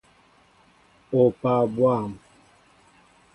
Opaa bwȃm!